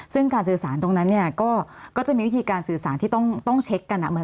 ซึ่งการสื่อสารตรงนั้นเนี่ยก็จะมีวิธีการสื่อสารที่ต้องเช็คกัน